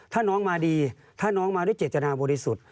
ถ้าน้องมาดีถ้าน้องมาด้วยเจตนาบริสุทธิ์